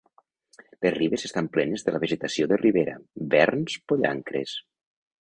Les ribes estan plenes de la vegetació de ribera: verns, pollancres.